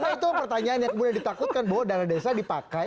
nah itu pertanyaannya kemudian ditakutkan bahwa dana desa dipakai